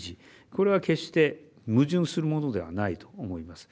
これは決してものではないと思います。